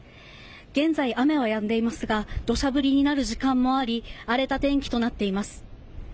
現在、雨はやんでいますが土砂降りになる時間もあり荒れた天気となっています。